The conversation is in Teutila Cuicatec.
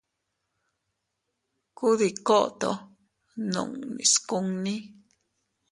Kuu dii koto nunnis kunni.